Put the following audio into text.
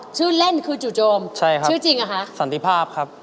ชื่อเล่นคือจู่โจมใช่ครับชื่อจริงเหรอคะสันติภาพครับ